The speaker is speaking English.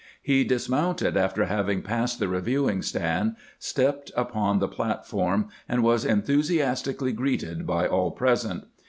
He dismounted after having passed the reviewing stand, stepped upon the platform, and was enthusiastically greeted by aU present.